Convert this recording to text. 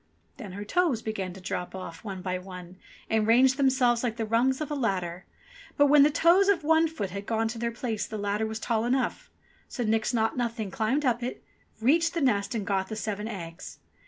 Then her toes began to drop off one by one and range them selves like the rungs of a ladder ; but when the toes of one foot had gone to their places the ladder was tall enough. So Nix Naught Nothing climbed up it, reached the nest and got the seven eggs.